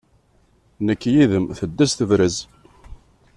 Nekk yid-m teddez tebrez.